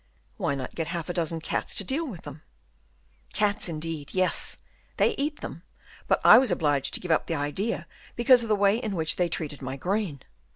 "Why not get half a dozen cats to deal with them?" "Cats, indeed; yes, they eat them, but I was obliged to give up the idea because of the way in which they treated my grain.